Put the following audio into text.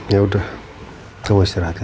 yaudah kau istirahat ya